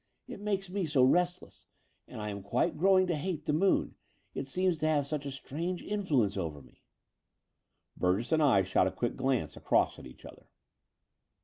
It makes me so restless; and I am quite growing to hate the moon. It seems to have such a strange influence over me." Burgess and I shot a quick glance across at each other.